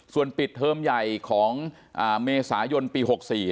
ส่วนปิดเทอมใหญ่ของเมษายนปี๖๔